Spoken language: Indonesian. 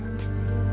dari kota krucil